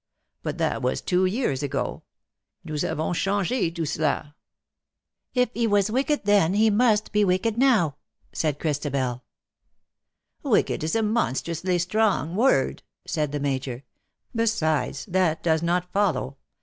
But that was two years ago — Nous avo7is change tout cela I'' " If he was wicked then, he must be wicked now/' said Christabel. " Wicked is a monstrously strong word V said the Major. " Besides, that does not follow.